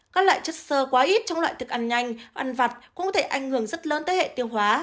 các loại chất sơ quá ít trong loại thức ăn nhanh ăn vặt cũng có thể ảnh hưởng rất lớn tới hệ tiêu hóa